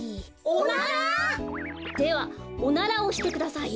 おなら？ではおならをしてください。